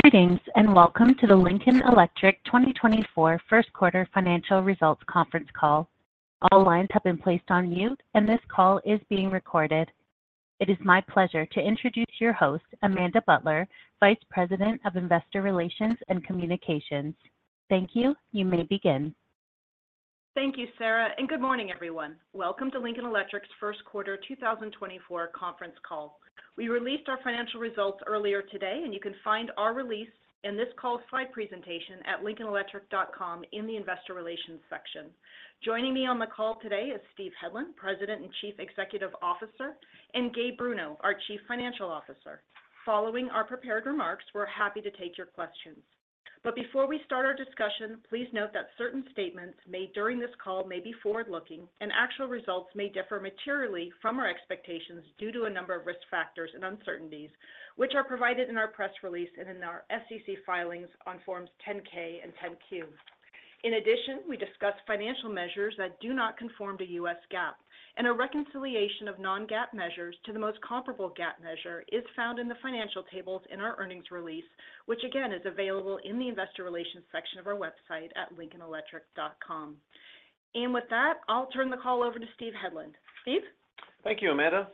Greetings and welcome to the Lincoln Electric 2024 first quarter financial results conference call. All lines have been placed on mute, and this call is being recorded. It is my pleasure to introduce your host, Amanda Butler, Vice President of Investor Relations and Communications. Thank you. You may begin. Thank you, Sarah, and good morning, everyone. Welcome to Lincoln Electric's first quarter 2024 conference call. We released our financial results earlier today, and you can find our release and this call's slide presentation at LincolnElectric.com in the Investor Relations section. Joining me on the call today is Steve Hedlund, President and Chief Executive Officer, and Gabe Bruno, our Chief Financial Officer. Following our prepared remarks, we're happy to take your questions. But before we start our discussion, please note that certain statements made during this call may be forward-looking, and actual results may differ materially from our expectations due to a number of risk factors and uncertainties, which are provided in our press release and in our SEC filings on Forms 10-K and 10-Q. In addition, we discuss financial measures that do not conform to U.S. GAAP, and a reconciliation of non-GAAP measures to the most comparable GAAP measure is found in the financial tables in our earnings release, which again is available in the Investor Relations section of our website at lincolnelectric.com. And with that, I'll turn the call over to Steve Hedlund. Steve? Thank you, Amanda.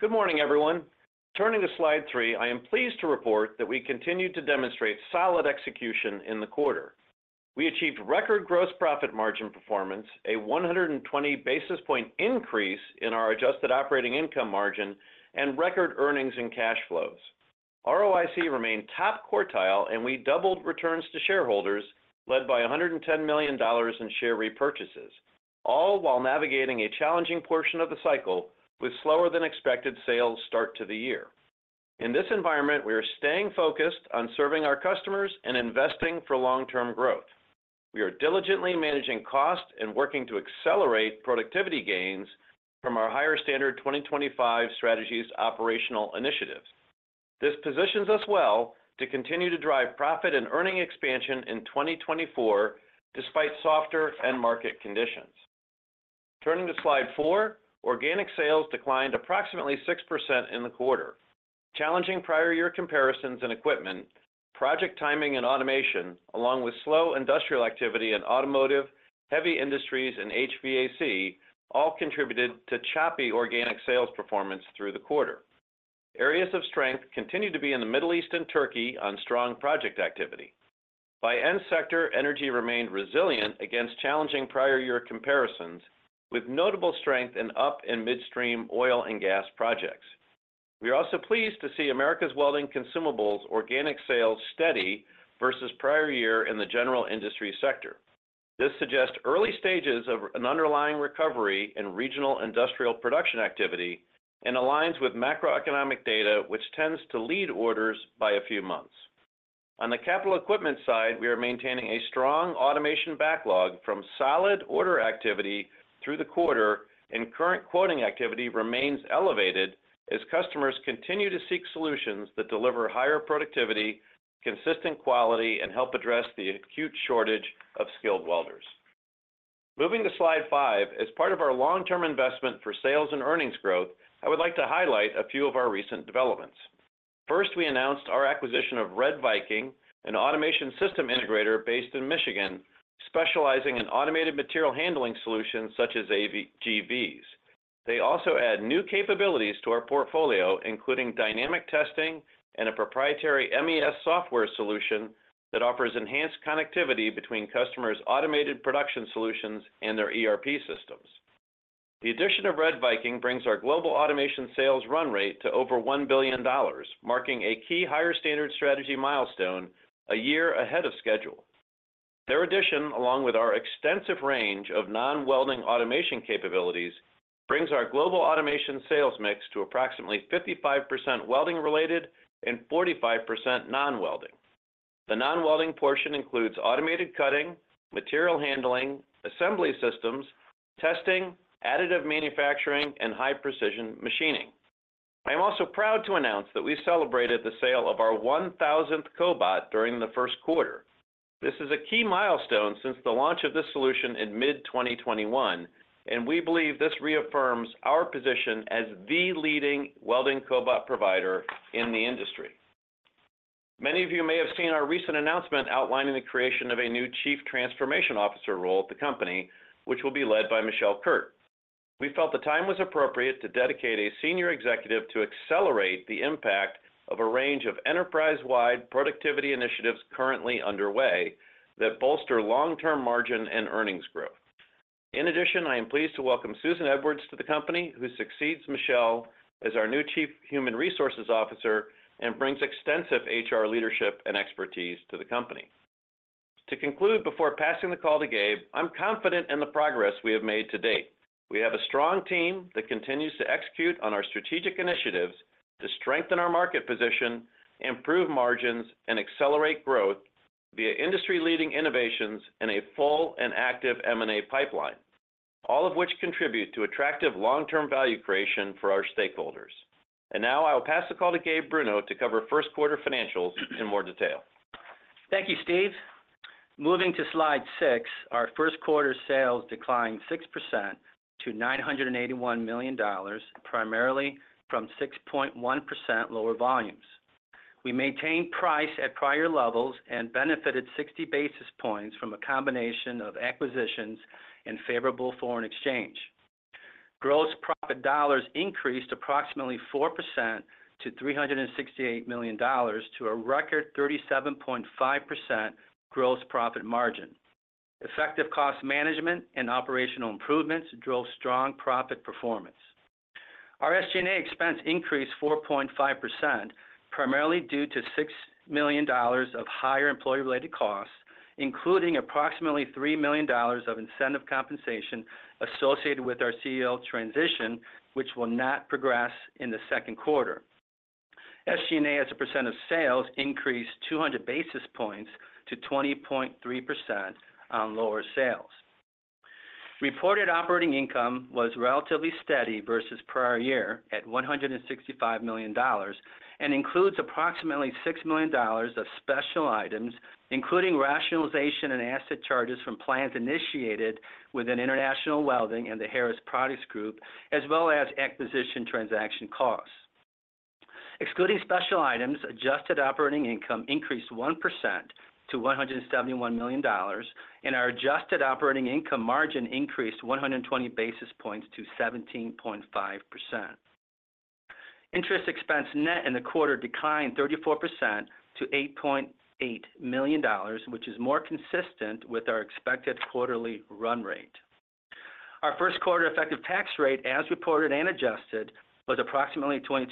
Good morning, everyone. Turning to slide three, I am pleased to report that we continue to demonstrate solid execution in the quarter. We achieved record gross profit margin performance, a 120 basis point increase in our adjusted operating income margin, and record earnings and cash flows. ROIC remained top quartile, and we doubled returns to shareholders, led by $110 million in share repurchases, all while navigating a challenging portion of the cycle with slower-than-expected sales start to the year. In this environment, we are staying focused on serving our customers and investing for long-term growth. We are diligently managing costs and working to accelerate productivity gains from our Higher Standard 2025 Strategies operational initiatives. This positions us well to continue to drive profit and earnings expansion in 2024 despite softer end-market conditions. Turning to slide 4, organic sales declined approximately 6% in the quarter. Challenging prior-year comparisons in equipment, project timing, and automation, along with slow industrial activity in automotive, heavy industries, and HVAC, all contributed to choppy organic sales performance through the quarter. Areas of strength continue to be in the Middle East and Turkey on strong project activity. By end-sector, energy remained resilient against challenging prior-year comparisons, with notable strength in up- and midstream oil and gas projects. We are also pleased to see Americas Welding Consumables organic sales steady versus prior year in the general industry sector. This suggests early stages of an underlying recovery in regional industrial production activity and aligns with macroeconomic data, which tends to lead orders by a few months. On the capital equipment side, we are maintaining a strong automation backlog from solid order activity through the quarter, and current quoting activity remains elevated as customers continue to seek solutions that deliver higher productivity, consistent quality, and help address the acute shortage of skilled welders. Moving to slide five, as part of our long-term investment for sales and earnings growth, I would like to highlight a few of our recent developments. First, we announced our acquisition of RedViking, an automation system integrator based in Michigan, specializing in automated material handling solutions such as AGVs. They also add new capabilities to our portfolio, including dynamic testing and a proprietary MES software solution that offers enhanced connectivity between customers' automated production solutions and their ERP systems. The addition of RedViking brings our global automation sales run rate to over $1 billion, marking a key Higher Standard 2025 Strategy milestone a year ahead of schedule. Their addition, along with our extensive range of non-welding automation capabilities, brings our global automation sales mix to approximately 55% welding-related and 45% non-welding. The non-welding portion includes automated cutting, material handling, assembly systems, testing, additive manufacturing, and high-precision machining. I am also proud to announce that we celebrated the sale of our 1,000th cobot during the first quarter. This is a key milestone since the launch of this solution in mid-2021, and we believe this reaffirms our position as the leading welding cobot provider in the industry. Many of you may have seen our recent announcement outlining the creation of a new Chief Transformation Officer role at the company, which will be led by Michele Kuhrt. We felt the time was appropriate to dedicate a senior executive to accelerate the impact of a range of enterprise-wide productivity initiatives currently underway that bolster long-term margin and earnings growth. In addition, I am pleased to welcome Susan Edwards to the company, who succeeds Michele as our new Chief Human Resources Officer and brings extensive HR leadership and expertise to the company. To conclude, before passing the call to Gabe, I'm confident in the progress we have made to date. We have a strong team that continues to execute on our strategic initiatives to strengthen our market position, improve margins, and accelerate growth via industry-leading innovations and a full and active M&A pipeline, all of which contribute to attractive long-term value creation for our stakeholders. And now I will pass the call to Gabe Bruno to cover first quarter financials in more detail. Thank you, Steve. Moving to slide six, our first quarter sales declined 6% to $981 million, primarily from 6.1% lower volumes. We maintained price at prior levels and benefited 60 basis points from a combination of acquisitions and favorable foreign exchange. Gross profit dollars increased approximately 4% to $368 million, to a record 37.5% gross profit margin. Effective cost management and operational improvements drove strong profit performance. Our SG&A expense increased 4.5%, primarily due to $6 million of higher employee-related costs, including approximately $3 million of incentive compensation associated with our CEO transition, which will not progress in the second quarter. SG&A, as a percent of sales, increased 200 basis points to 20.3% on lower sales. Reported operating income was relatively steady versus prior year at $165 million and includes approximately $6 million of special items, including rationalization and asset charges from plans initiated within International Welding and the Harris Products Group, as well as acquisition transaction costs. Excluding special items, adjusted operating income increased 1% to $171 million, and our adjusted operating income margin increased 120 basis points to 17.5%. Interest expense net in the quarter declined 34% to $8.8 million, which is more consistent with our expected quarterly run rate. Our first quarter effective tax rate, as reported and adjusted, was approximately 22%.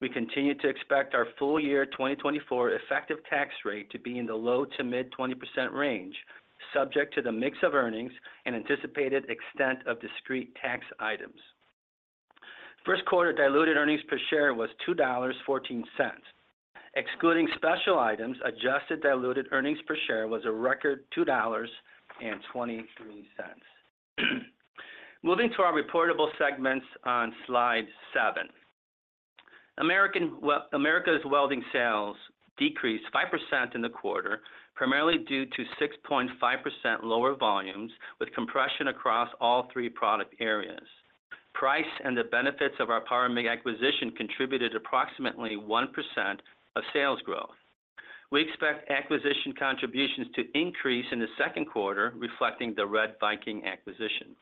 We continue to expect our full-year 2024 effective tax rate to be in the low- to mid-20% range, subject to the mix of earnings and anticipated extent of discrete tax items. First quarter diluted earnings per share was $2.14. Excluding special items, adjusted diluted earnings per share was a record $2.23. Moving to our reportable segments on slide seven, Americas Welding sales decreased 5% in the quarter, primarily due to 6.5% lower volumes with compression across all three product areas. Price and the benefits of our Powermig acquisition contributed approximately 1% of sales growth. We expect acquisition contributions to increase in the second quarter, reflecting the RedViking acquisition.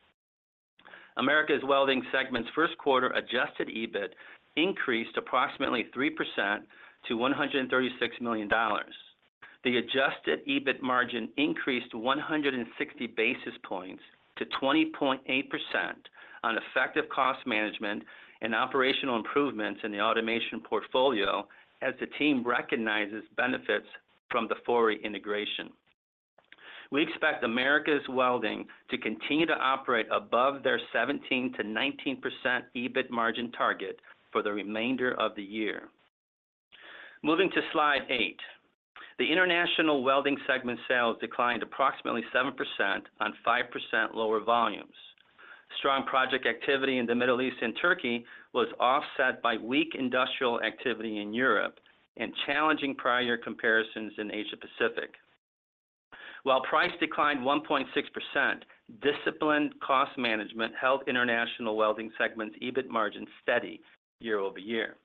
Americas Welding segment's first quarter adjusted EBIT increased approximately 3% to $136 million. The adjusted EBIT margin increased 160 basis points to 20.8% on effective cost management and operational improvements in the automation portfolio, as the team recognizes benefits from the Fori integration. We expect Americas welding to continue to operate above their 17%-19% EBIT margin target for the remainder of the year. Moving to slide eight, the International Welding segment sales declined approximately 7% on 5% lower volumes. Strong project activity in the Middle East and Turkey was offset by weak industrial activity in Europe and challenging prior-year comparisons in Asia-Pacific. While price declined 1.6%, disciplined cost management held International Welding segment's EBIT margin steady year over year.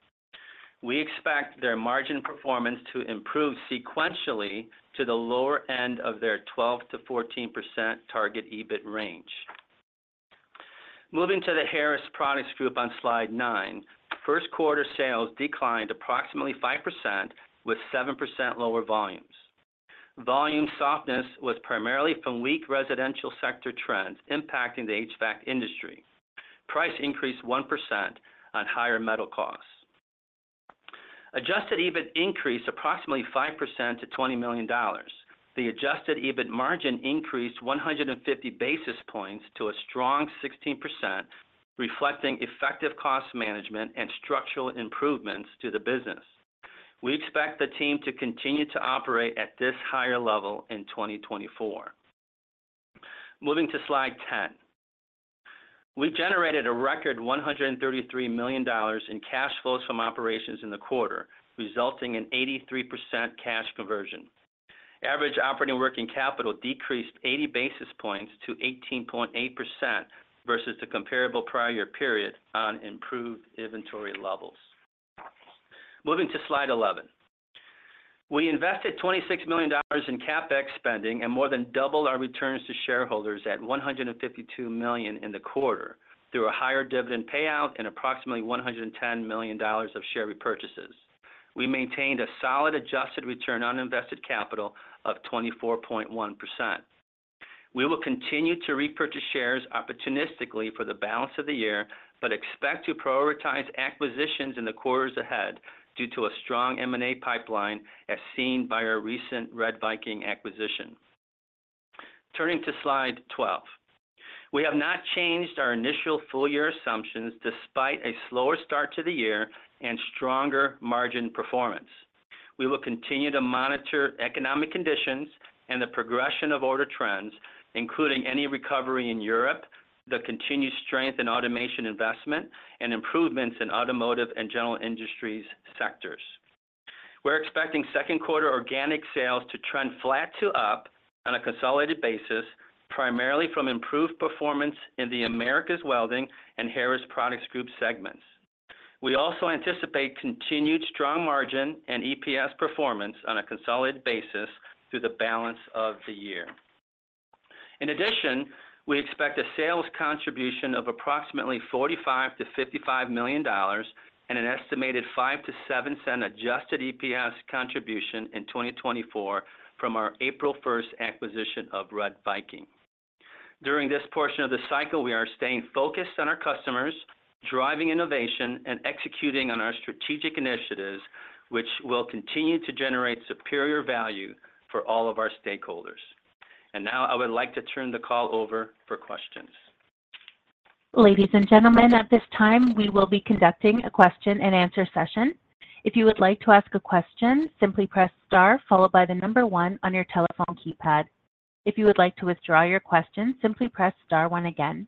We expect their margin performance to improve sequentially to the lower end of their 12%-14% target EBIT range. Moving to the Harris Products Group on slide nine, first quarter sales declined approximately 5% with 7% lower volumes. Volume softness was primarily from weak residential sector trends impacting the HVAC industry. Price increased 1% on higher metal costs. Adjusted EBIT increased approximately 5% to $20 million. The adjusted EBIT margin increased 150 basis points to a strong 16%, reflecting effective cost management and structural improvements to the business. We expect the team to continue to operate at this higher level in 2024. Moving to slide 10, we generated a record $133 million in cash flows from operations in the quarter, resulting in 83% cash conversion. Average operating working capital decreased 80 basis points to 18.8% versus the comparable prior-year period on improved inventory levels. Moving to slide 11, we invested $26 million in CapEx spending and more than doubled our returns to shareholders at $152 million in the quarter through a higher dividend payout and approximately $110 million of share repurchases. We maintained a solid adjusted return on invested capital of 24.1%. We will continue to repurchase shares opportunistically for the balance of the year but expect to prioritize acquisitions in the quarters ahead due to a strong M&A pipeline as seen by our recent RedViking acquisition. Turning to slide 12, we have not changed our initial full-year assumptions despite a slower start to the year and stronger margin performance. We will continue to monitor economic conditions and the progression of order trends, including any recovery in Europe, the continued strength in automation investment, and improvements in automotive and general industries sectors. We're expecting second quarter organic sales to trend flat to up on a consolidated basis, primarily from improved performance in the Americas Welding and Harris Products Group segments. We also anticipate continued strong margin and EPS performance on a consolidated basis through the balance of the year. In addition, we expect a sales contribution of approximately $45 million-$55 million and an estimated $0.05-$0.07 adjusted EPS contribution in 2024 from our April 1st acquisition of RedViking. During this portion of the cycle, we are staying focused on our customers, driving innovation, and executing on our strategic initiatives, which will continue to generate superior value for all of our stakeholders. Now I would like to turn the call over for questions. Ladies and gentlemen, at this time, we will be conducting a question and answer session. If you would like to ask a question, simply press star followed by the number one on your telephone keypad. If you would like to withdraw your question, simply press star one again.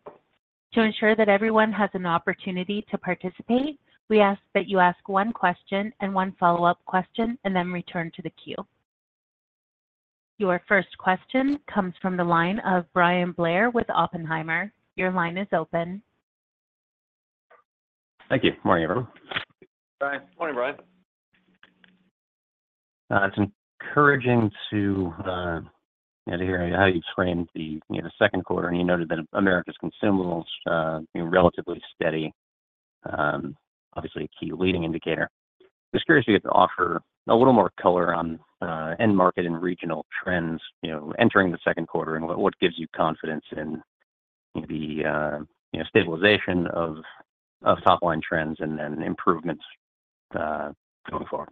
To ensure that everyone has an opportunity to participate, we ask that you ask one question and one follow-up question and then return to the queue. Your first question comes from the line of Bryan Blair with Oppenheimer. Your line is open. Thank you. Morning, everyone. Hi. Morning, Bryan. It's encouraging to hear how you framed the second quarter, and you noted that Americas' consumables are relatively steady, obviously a key leading indicator. I was curious if you could offer a little more color on end market and regional trends entering the second quarter and what gives you confidence in the stabilization of top-line trends and then improvements going forward?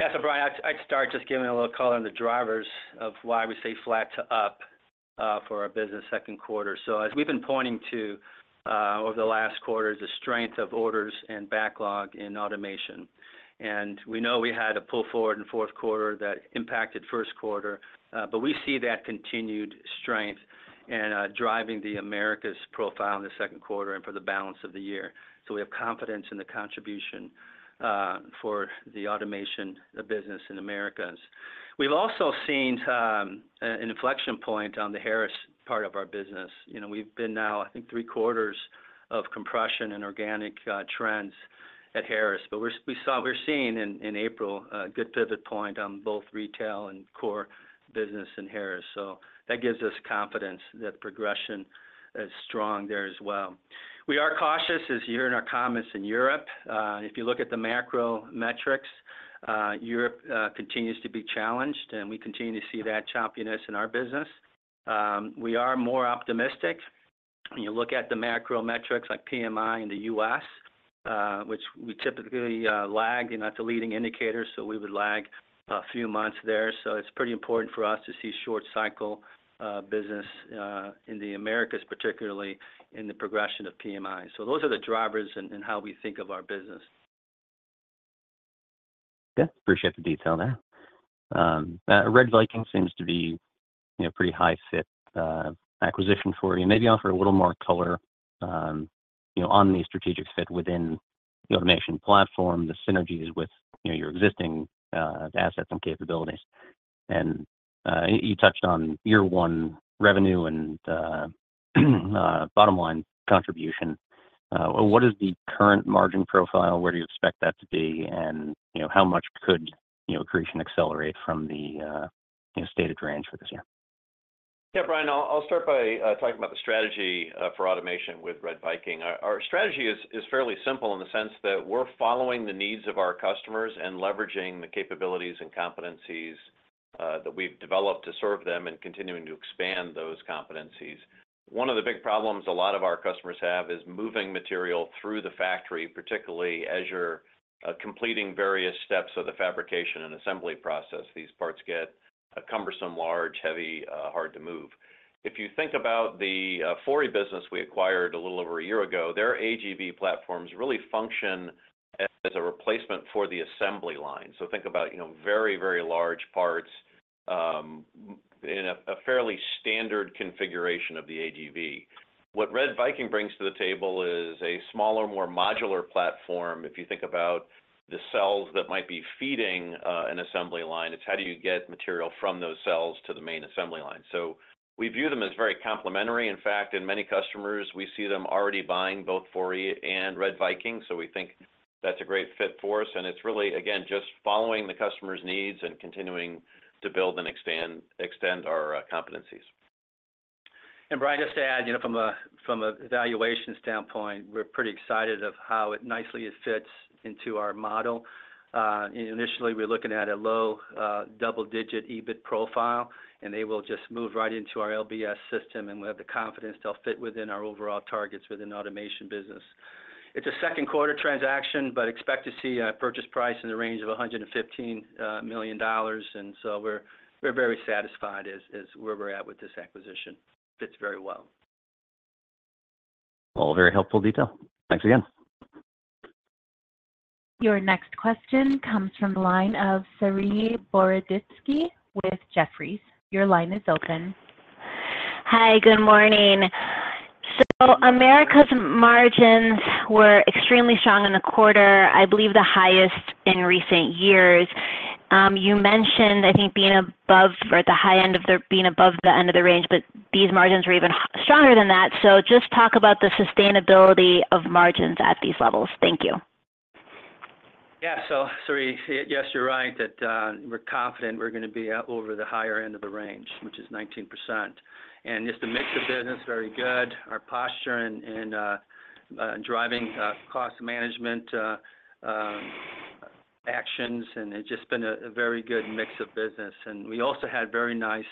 Yeah. So Brian, I'd start just giving a little color on the drivers of why we say flat to up for our business second quarter. So as we've been pointing to over the last quarters, the strength of orders and backlog in automation. And we know we had a pull forward in fourth quarter that impacted first quarter, but we see that continued strength driving the Americas profile in the second quarter and for the balance of the year. So we have confidence in the contribution for the automation business in Americas. We've also seen an inflection point on the Harris part of our business. We've been now, I think, three quarters of compression and organic trends at Harris, but we're seeing in April a good pivot point on both retail and core business in Harris. So that gives us confidence that the progression is strong there as well. We are cautious, as you heard in our comments in Europe. If you look at the macro metrics, Europe continues to be challenged, and we continue to see that choppiness in our business. We are more optimistic. When you look at the macro metrics like PMI in the U.S., which we typically lag, not the leading indicators, so we would lag a few months there. So it's pretty important for us to see short-cycle business in the Americas, particularly in the progression of PMI. So those are the drivers in how we think of our business. Yeah. Appreciate the detail there. RedViking seems to be a pretty high-fit acquisition for you. Maybe offer a little more color on the strategic fit within the automation platform, the synergies with your existing assets and capabilities. And you touched on year one revenue and bottom-line contribution. What is the current margin profile? Where do you expect that to be, and how much could accretion accelerate from the stated range for this year? Yeah, Brian. I'll start by talking about the strategy for automation with RedViking. Our strategy is fairly simple in the sense that we're following the needs of our customers and leveraging the capabilities and competencies that we've developed to serve them and continuing to expand those competencies. One of the big problems a lot of our customers have is moving material through the factory, particularly as you're completing various steps of the fabrication and assembly process. These parts get cumbersome, large, heavy, hard to move. If you think about the Fori business we acquired a little over a year ago, their AGV platforms really function as a replacement for the assembly line. So think about very, very large parts in a fairly standard configuration of the AGV. What RedViking brings to the table is a smaller, more modular platform. If you think about the cells that might be feeding an assembly line, it's how do you get material from those cells to the main assembly line? So we view them as very complementary. In fact, in many customers, we see them already buying both Fori and RedViking. So we think that's a great fit for us. And it's really, again, just following the customer's needs and continuing to build and extend our competencies. Bryan, just to add, from a valuation standpoint, we're pretty excited about how it nicely fits into our model. Initially, we're looking at a low double-digit EBIT profile, and they will just move right into our LBS system, and we have the confidence they'll fit within our overall targets within automation business. It's a second-quarter transaction, but expect to see a purchase price in the range of $115 million. So we're very satisfied with where we're at with this acquisition. It fits very well. All very helpful detail. Thanks again. Your next question comes from the line of Saree Boroditsky with Jefferies. Your line is open. Hi. Good morning. So Americas margins were extremely strong in the quarter, I believe the highest in recent years. You mentioned, I think, being above or at the high end of their being above the end of the range, but these margins were even stronger than that. So just talk about the sustainability of margins at these levels. Thank you. Yeah. So, Saree, yes, you're right that we're confident we're going to be over the higher end of the range, which is 19%. And just the mix of business, very good. Our posture in driving cost management actions, and it's just been a very good mix of business. And we also had very nice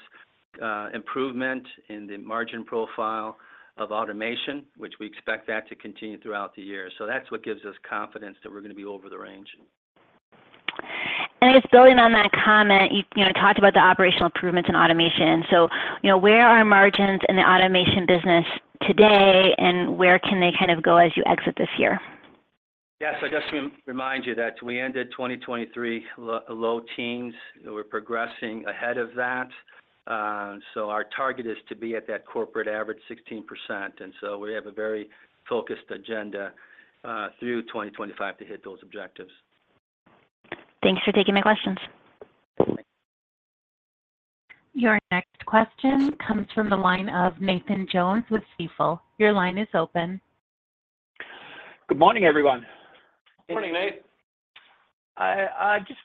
improvement in the margin profile of automation, which we expect that to continue throughout the year. So that's what gives us confidence that we're going to be over the range. Just building on that comment, you talked about the operational improvements in automation. Where are margins in the automation business today, and where can they kind of go as you exit this year? Yeah. So just to remind you that we ended 2023 low teens. We're progressing ahead of that. So our target is to be at that corporate average, 16%. And so we have a very focused agenda through 2025 to hit those objectives. Thanks for taking my questions. Your next question comes from the line of Nathan Jones with Stifel. Your line is open. Good morning, everyone. Good morning, Nate. I just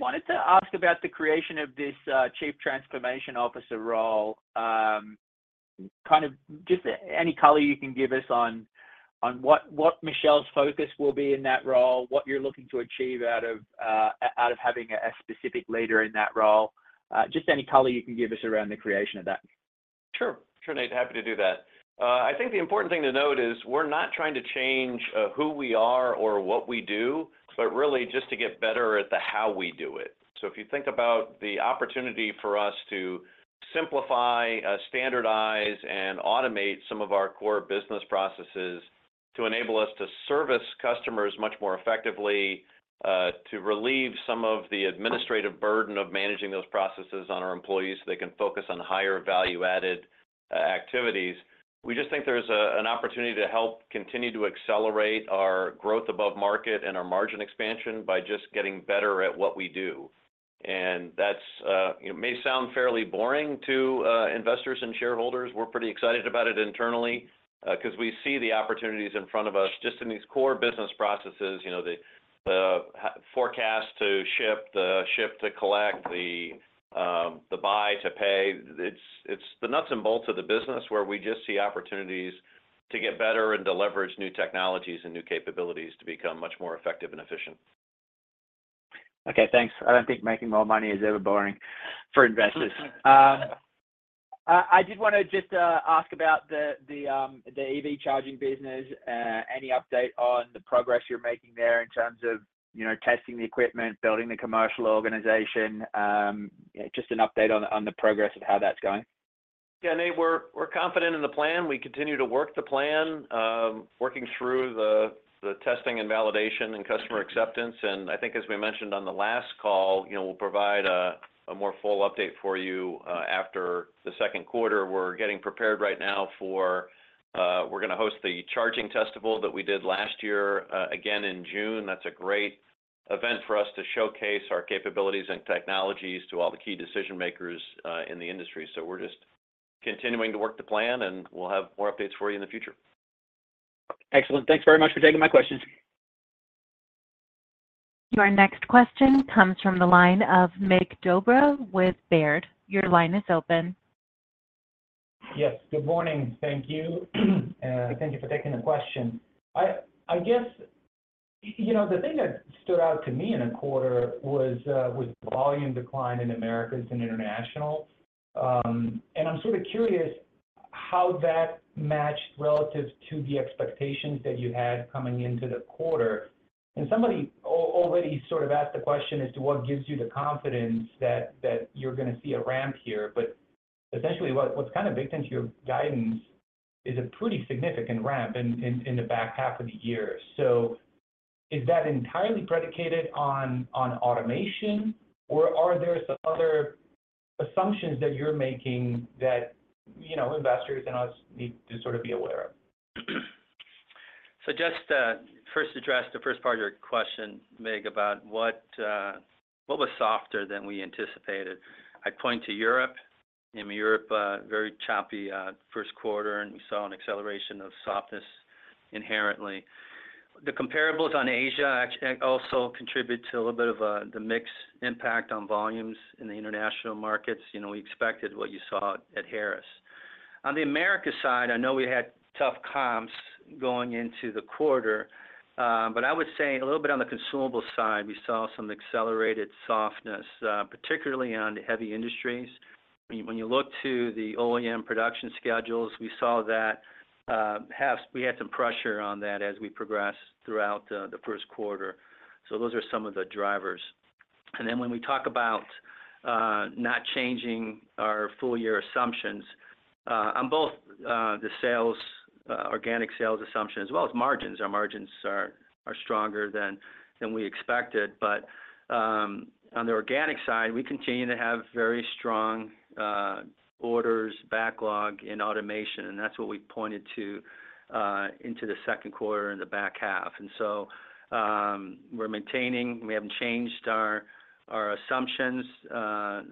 wanted to ask about the creation of this chief transformation officer role. Kind of just any color you can give us on what Michele's focus will be in that role, what you're looking to achieve out of having a specific leader in that role? Just any color you can give us around the creation of that. Sure. Sure, Nate. Happy to do that. I think the important thing to note is we're not trying to change who we are or what we do, but really just to get better at the how we do it. So if you think about the opportunity for us to simplify, standardize, and automate some of our core business processes to enable us to service customers much more effectively, to relieve some of the administrative burden of managing those processes on our employees so they can focus on higher value-added activities, we just think there's an opportunity to help continue to accelerate our growth above market and our margin expansion by just getting better at what we do. That may sound fairly boring to investors and shareholders. We're pretty excited about it internally because we see the opportunities in front of us just in these core business processes: the forecast to ship, the ship to collect, the buy to pay. It's the nuts and bolts of the business where we just see opportunities to get better and to leverage new technologies and new capabilities to become much more effective and efficient. Okay. Thanks. I don't think making more money is ever boring for investors. I did want to just ask about the EV charging business, any update on the progress you're making there in terms of testing the equipment, building the commercial organization, just an update on the progress of how that's going? Yeah, Nate. We're confident in the plan. We continue to work the plan, working through the testing and validation and customer acceptance. And I think, as we mentioned on the last call, we'll provide a more full update for you after the second quarter. We're getting prepared right now for we're going to host the charging festival that we did last year, again in June. That's a great event for us to showcase our capabilities and technologies to all the key decision-makers in the industry. So we're just continuing to work the plan, and we'll have more updates for you in the future. Excellent. Thanks very much for taking my questions. Your next question comes from the line of Mircea Dobre with Baird. Your line is open. Yes. Good morning. Thank you. Thank you for taking the question. I guess the thing that stood out to me in a quarter was the volume decline in Americas and international. And I'm sort of curious how that matched relative to the expectations that you had coming into the quarter. And somebody already sort of asked the question as to what gives you the confidence that you're going to see a ramp here. But essentially, what's kind of baked into your guidance is a pretty significant ramp in the back half of the year. So is that entirely predicated on automation, or are there some other assumptions that you're making that investors and us need to sort of be aware of? So just first address the first part of your question, Mirc, about what was softer than we anticipated. I'd point to Europe. In Europe, very choppy first quarter, and we saw an acceleration of softness inherently. The comparables on Asia also contribute to a little bit of the mixed impact on volumes in the international markets. We expected what you saw at Harris. On the America side, I know we had tough comps going into the quarter, but I would say a little bit on the consumable side, we saw some accelerated softness, particularly on the heavy industries. When you look to the OEM production schedules, we saw that we had some pressure on that as we progressed throughout the first quarter. So those are some of the drivers. And then when we talk about not changing our full-year assumptions on both the organic sales assumption as well as margins, our margins are stronger than we expected. But on the organic side, we continue to have very strong orders, backlog in automation. And that's what we pointed to into the second quarter and the back half. And so we're maintaining we haven't changed our assumptions,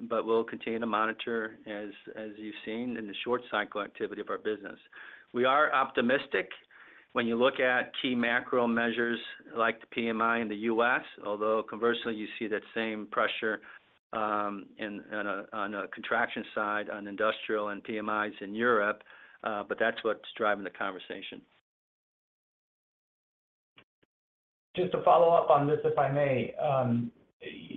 but we'll continue to monitor, as you've seen, in the short-cycle activity of our business. We are optimistic when you look at key macro measures like the PMI in the U.S., although conversely, you see that same pressure on the contraction side on industrial and PMIs in Europe. But that's what's driving the conversation. Just to follow up on this, if I may,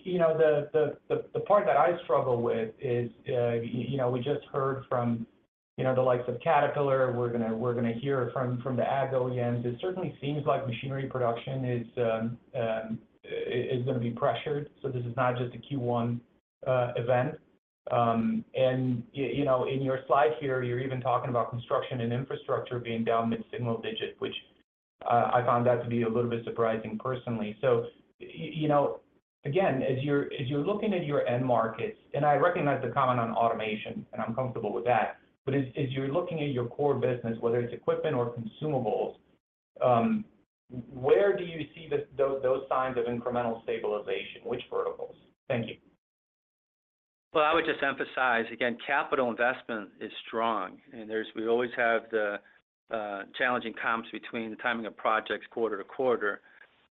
the part that I struggle with is we just heard from the likes of Caterpillar. We're going to hear from the Ag OEMs. It certainly seems like machinery production is going to be pressured. So this is not just a Q1 event. And in your slide here, you're even talking about construction and infrastructure being down mid-single digit, which I found that to be a little bit surprising personally. So again, as you're looking at your end markets and I recognize the comment on automation, and I'm comfortable with that. But as you're looking at your core business, whether it's equipment or consumables, where do you see those signs of incremental stabilization? Which verticals? Thank you. Well, I would just emphasize, again, capital investment is strong. We always have the challenging comps between the timing of projects quarter to quarter.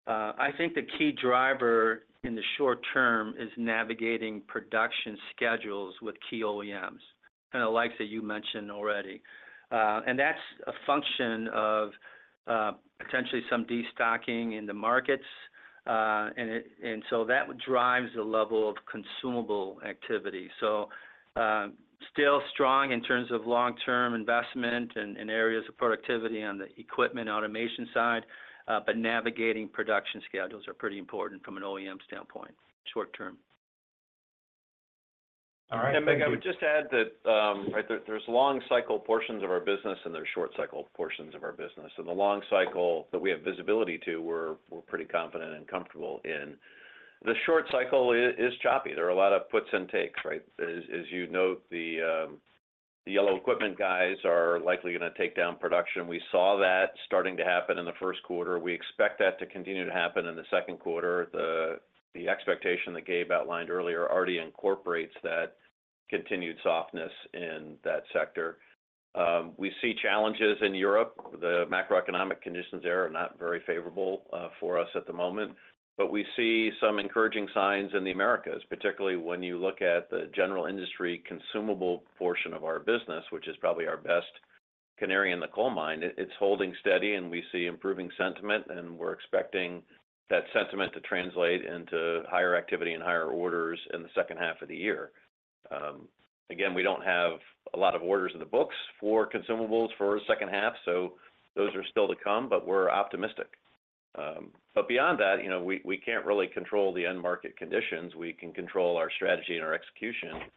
I think the key driver in the short term is navigating production schedules with key OEMs, kind of the likes that you mentioned already. That's a function of potentially some destocking in the markets. So that drives the level of consumable activity. So still strong in terms of long-term investment in areas of productivity on the equipment automation side, but navigating production schedules are pretty important from an OEM standpoint, short term. All right. Yeah, Mirc, I would just add that there's long-cycle portions of our business, and there's short-cycle portions of our business. The long cycle that we have visibility to, we're pretty confident and comfortable in. The short cycle is choppy. There are a lot of puts and takes, right? As you note, the yellow equipment guys are likely going to take down production. We saw that starting to happen in the first quarter. We expect that to continue to happen in the second quarter. The expectation that Gabe outlined earlier already incorporates that continued softness in that sector. We see challenges in Europe. The macroeconomic conditions there are not very favorable for us at the moment. But we see some encouraging signs in the Americas, particularly when you look at the general industry consumable portion of our business, which is probably our best canary in the coal mine. It's holding steady, and we see improving sentiment. We're expecting that sentiment to translate into higher activity and higher orders in the second half of the year. Again, we don't have a lot of orders in the books for consumables for the second half, so those are still to come, but we're optimistic. Beyond that, we can't really control the end market conditions. We can control our strategy and our execution.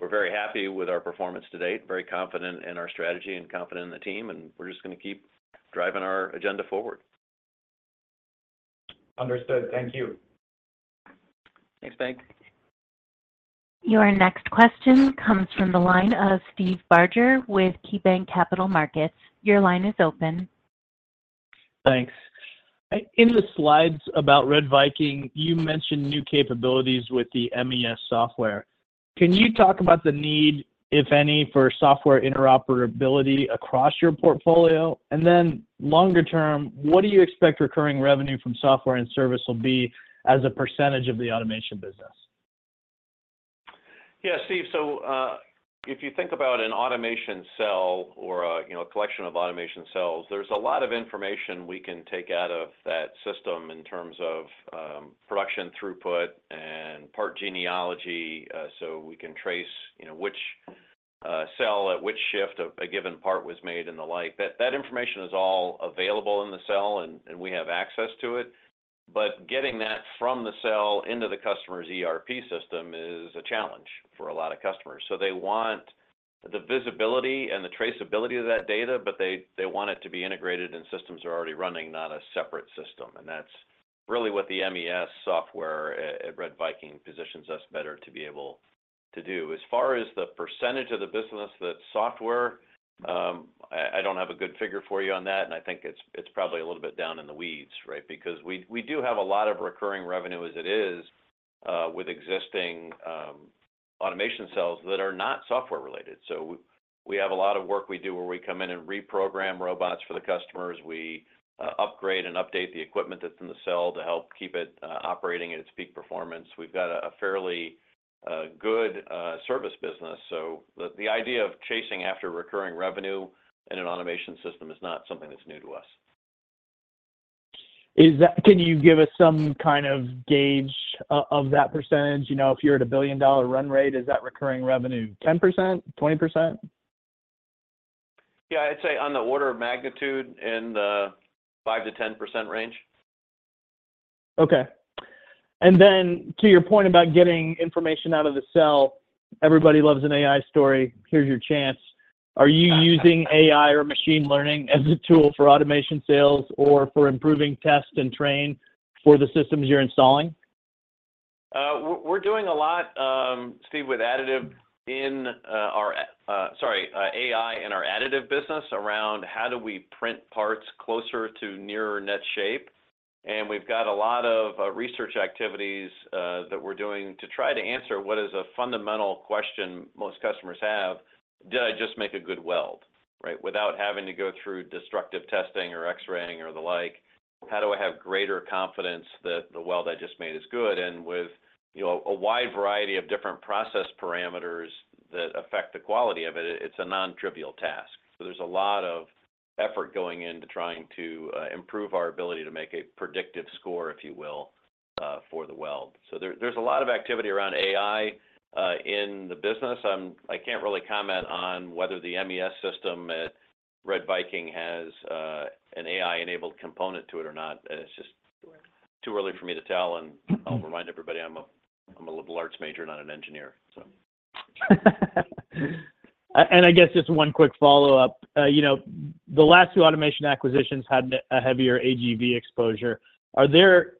We're very happy with our performance to date, very confident in our strategy and confident in the team. We're just going to keep driving our agenda forward. Understood. Thank you. Thanks, Mirc. Your next question comes from the line of Steve Barger with KeyBanc Capital Markets. Your line is open. Thanks. In the slides about RedViking, you mentioned new capabilities with the MES software. Can you talk about the need, if any, for software interoperability across your portfolio? And then longer term, what do you expect recurring revenue from software and service will be as a percentage of the automation business? Yeah, Steve. So if you think about an automation cell or a collection of automation cells, there's a lot of information we can take out of that system in terms of production throughput and part genealogy. So we can trace which cell at which shift a given part was made and the like. That information is all available in the cell, and we have access to it. But getting that from the cell into the customer's ERP system is a challenge for a lot of customers. So they want the visibility and the traceability of that data, but they want it to be integrated in systems that are already running, not a separate system. And that's really what the MES software at RedViking positions us better to be able to do. As far as the percentage of the business that's software, I don't have a good figure for you on that. And I think it's probably a little bit down in the weeds, right? Because we do have a lot of recurring revenue as it is with existing automation cells that are not software-related. So we have a lot of work we do where we come in and reprogram robots for the customers. We upgrade and update the equipment that's in the cell to help keep it operating at its peak performance. We've got a fairly good service business. So the idea of chasing after recurring revenue in an automation system is not something that's new to us. Can you give us some kind of gauge of that percentage? If you're at a billion-dollar run rate, is that recurring revenue 10%, 20%? Yeah, I'd say on the order of magnitude in the 5%-10% range. Okay. And then to your point about getting information out of the cell, everybody loves an AI story. Here's your chance. Are you using AI or machine learning as a tool for automation sales or for improving test and train for the systems you're installing? We're doing a lot, Steve, with additive in our—sorry, AI in our additive business around how do we print parts closer to nearer net shape. And we've got a lot of research activities that we're doing to try to answer what is a fundamental question most customers have: did I just make a good weld, right? Without having to go through destructive testing or X-raying or the like, how do I have greater confidence that the weld I just made is good? And with a wide variety of different process parameters that affect the quality of it, it's a non-trivial task. So there's a lot of effort going into trying to improve our ability to make a predictive score, if you will, for the weld. So there's a lot of activity around AI in the business. I can't really comment on whether the MES system at RedViking has an AI-enabled component to it or not. It's just too early for me to tell. And I'll remind everybody I'm a liberal arts major, not an engineer, so. I guess just one quick follow-up. The last two automation acquisitions had a heavier AGV exposure. Are there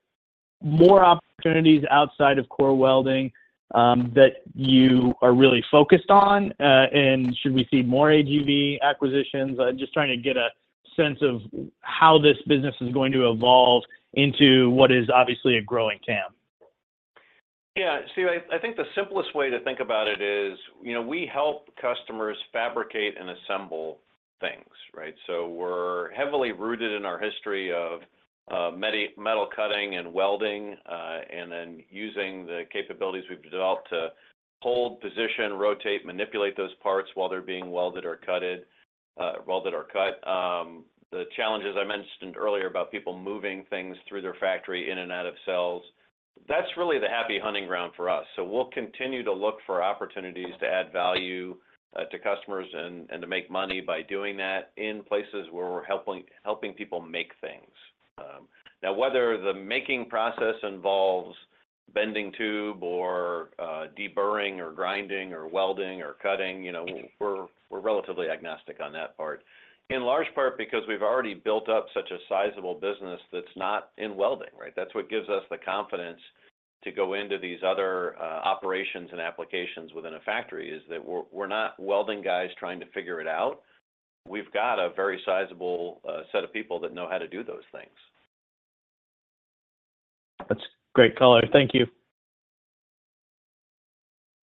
more opportunities outside of core welding that you are really focused on? And should we see more AGV acquisitions? I'm just trying to get a sense of how this business is going to evolve into what is obviously a growing TAM? Yeah, Steve, I think the simplest way to think about it is we help customers fabricate and assemble things, right? So we're heavily rooted in our history of metal cutting and welding and then using the capabilities we've developed to hold, position, rotate, manipulate those parts while they're being welded or cut. The challenges I mentioned earlier about people moving things through their factory in and out of cells, that's really the happy hunting ground for us. So we'll continue to look for opportunities to add value to customers and to make money by doing that in places where we're helping people make things. Now, whether the making process involves bending tube or deburring or grinding or welding or cutting, we're relatively agnostic on that part, in large part because we've already built up such a sizable business that's not in welding, right? That's what gives us the confidence to go into these other operations and applications within a factory is that we're not welding guys trying to figure it out. We've got a very sizable set of people that know how to do those things. That's great color. Thank you.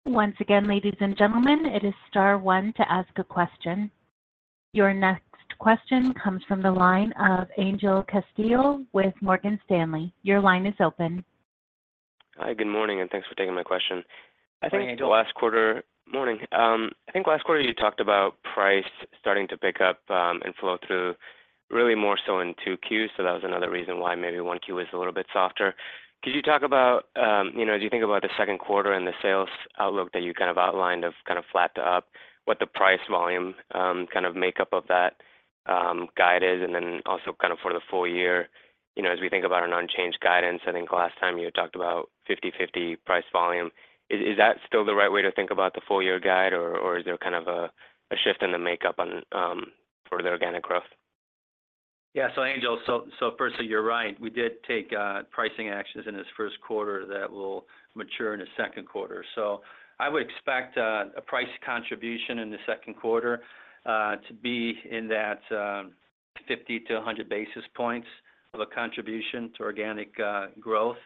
Once again, ladies and gentlemen, it is star one to ask a question. Your next question comes from the line of Angel Castillo with Morgan Stanley. Your line is open. Hi, good morning, and thanks for taking my question. I think last quarter morning, I think last quarter, you talked about price starting to pick up and flow through really more so in Q2. So that was another reason why maybe Q1 was a little bit softer. Could you talk about as you think about the second quarter and the sales outlook that you kind of outlined of kind of flat to up, what the price volume kind of makeup of that guide is? And then also kind of for the full year, as we think about an unchanged guidance, I think last time you had talked about 50/50 price volume. Is that still the right way to think about the full-year guide, or is there kind of a shift in the makeup for the organic growth? Yeah, so Angel, so first of all, you're right. We did take pricing actions in this first quarter that will mature in the second quarter. So I would expect a price contribution in the second quarter to be in that 50-100 basis points of a contribution to organic growth.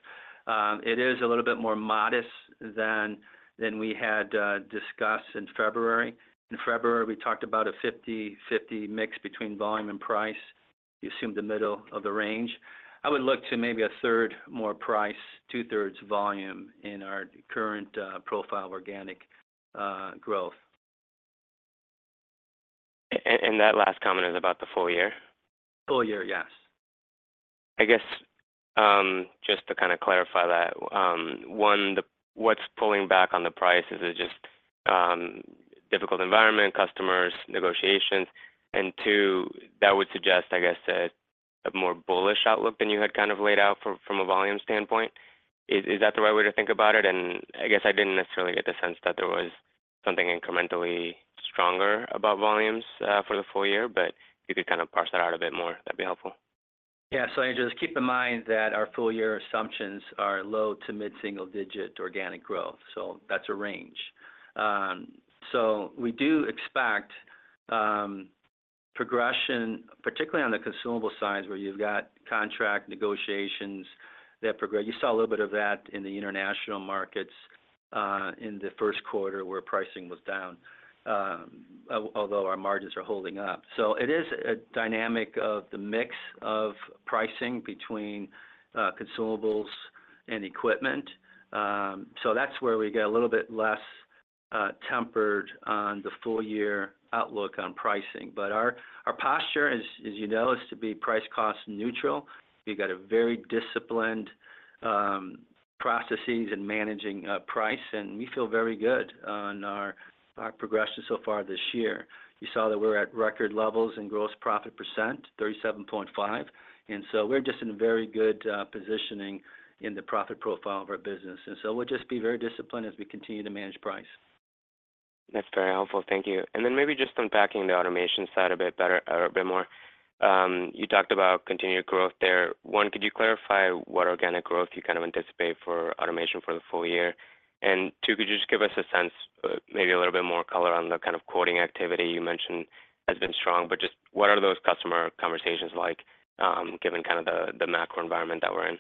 It is a little bit more modest than we had discussed in February. In February, we talked about a 50/50 mix between volume and price. You assumed the middle of the range. I would look to maybe 1/3 more price, 2/3 volume in our current profile of organic growth. That last comment is about the full year? Full year, yes. I guess just to kind of clarify that, one, what's pulling back on the price is just difficult environment, customers, negotiations. And two, that would suggest, I guess, a more bullish outlook than you had kind of laid out from a volume standpoint. Is that the right way to think about it? And I guess I didn't necessarily get the sense that there was something incrementally stronger about volumes for the full year. But if you could kind of parse that out a bit more, that'd be helpful. Yeah, so Angel, just keep in mind that our full-year assumptions are low- to mid-single-digit organic growth. So that's a range. So we do expect progression, particularly on the consumable sides where you've got contract negotiations that progress. You saw a little bit of that in the international markets in the first quarter where pricing was down, although our margins are holding up. So it is a dynamic of the mix of pricing between consumables and equipment. So that's where we get a little bit less tempered on the full-year outlook on pricing. But our posture, as you know, is to be price-cost neutral. We've got very disciplined processes in managing price. And we feel very good on our progression so far this year. You saw that we're at record levels in gross profit precent, 37.5%. And so we're just in very good positioning in the profit profile of our business. And so we'll just be very disciplined as we continue to manage price. That's very helpful. Thank you. And then maybe just on backing the automation side a bit better, a little bit more, you talked about continued growth there. One, could you clarify what organic growth you kind of anticipate for automation for the full year? And two, could you just give us a sense, maybe a little bit more color on the kind of quoting activity you mentioned has been strong? But just what are those customer conversations like given kind of the macro environment that we're in?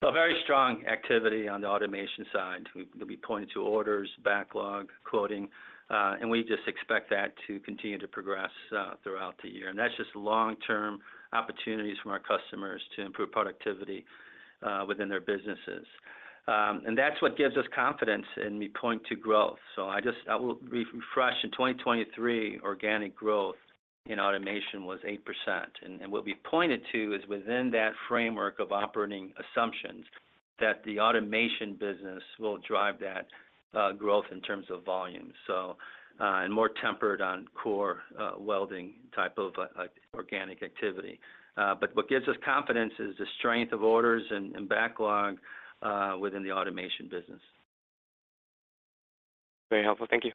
Well, very strong activity on the automation side. We'll be pointing to orders, backlog, quoting. And we just expect that to continue to progress throughout the year. And that's just long-term opportunities for our customers to improve productivity within their businesses. And that's what gives us confidence. And we point to growth. So I will refresh. In 2023, organic growth in automation was 8%. And what we pointed to is within that framework of operating assumptions that the automation business will drive that growth in terms of volume and more tempered on core welding type of organic activity. But what gives us confidence is the strength of orders and backlog within the automation business. Very helpful. Thank you.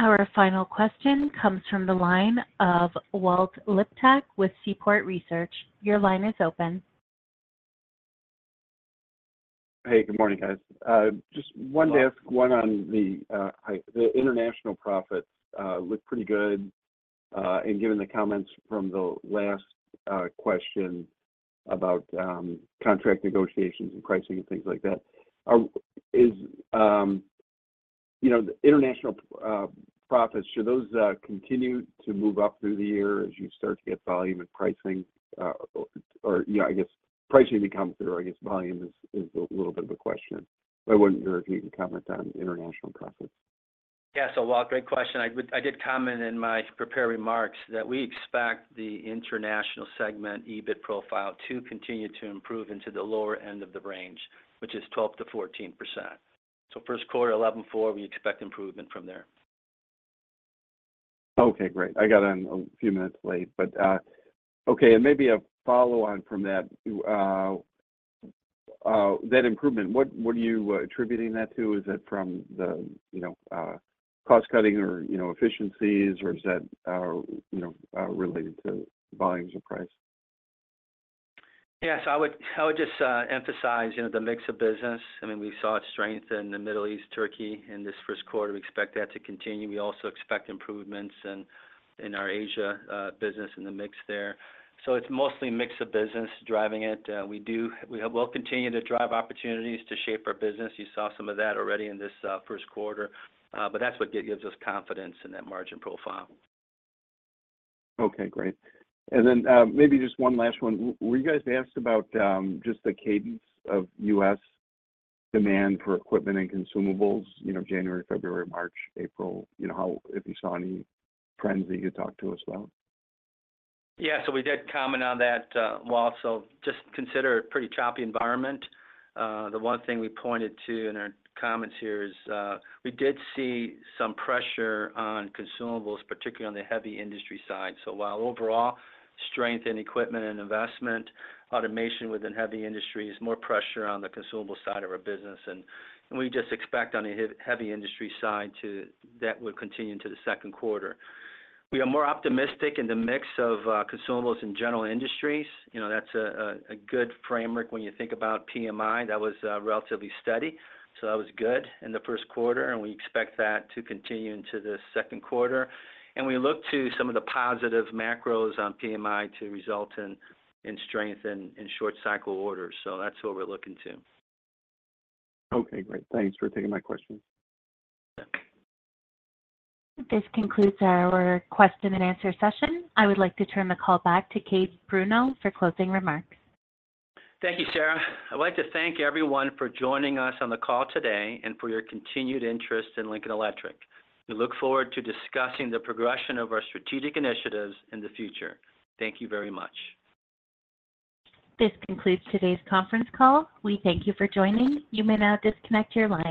Our final question comes from the line of Walt Liptak with Seaport Research. Your line is open. Hey, good morning, guys. Just one to ask one on the international profits look pretty good. And given the comments from the last question about contract negotiations and pricing and things like that, should those continue to move up through the year as you start to get volume and pricing? Or I guess pricing becomes or I guess volume is a little bit of a question. But I wonder if you can comment on international profits. Yeah, so Walt, great question. I did comment in my prepared remarks that we expect the international segment EBIT profile to continue to improve into the lower end of the range, which is 12%-14%. So first quarter, 11.4, we expect improvement from there. Okay, great. I got on a few minutes late. But okay, and maybe a follow-on from that improvement, what are you attributing that to? Is it from the cost-cutting or efficiencies, or is that related to volumes or price? Yeah, so I would just emphasize the mix of business. I mean, we saw it strengthen in the Middle East, Turkey, in this first quarter. We expect that to continue. We also expect improvements in our Asia business and the mix there. So it's mostly mix of business driving it. We will continue to drive opportunities to shape our business. You saw some of that already in this first quarter. But that's what gives us confidence in that margin profile. Okay, great. And then maybe just one last one. Were you guys asked about just the cadence of U.S. demand for equipment and consumables, January, February, March, April, if you saw any trends that you could talk to us about? Yeah, so we did comment on that, Walt. So just consider a pretty choppy environment. The one thing we pointed to in our comments here is we did see some pressure on consumables, particularly on the heavy industry side. So while overall strength in equipment and investment, automation within heavy industries, more pressure on the consumable side of our business. And we just expect on the heavy industry side that would continue into the second quarter. We are more optimistic in the mix of consumables and general industries. That's a good framework when you think about PMI. That was relatively steady. So that was good in the first quarter. And we expect that to continue into the second quarter. And we look to some of the positive macros on PMI to result in strength in short-cycle orders. So that's what we're looking to. Okay, great. Thanks for taking my questions. This concludes our question-and-answer session. I would like to turn the call back to Gabe Bruno for closing remarks. Thank you, Sarah. I'd like to thank everyone for joining us on the call today and for your continued interest in Lincoln Electric. We look forward to discussing the progression of our strategic initiatives in the future. Thank you very much. This concludes today's conference call. We thank you for joining. You may now disconnect your line.